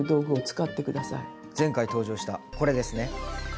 前回登場したこれですね。